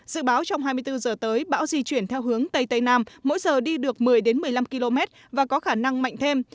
dự báo trong hai mươi bốn giờ tới bão di chuyển theo hướng tây tây nam mỗi giờ đi được một mươi một mươi năm km và có khả năng mạnh thêm